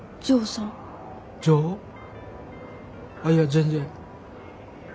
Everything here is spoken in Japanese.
あいや全然。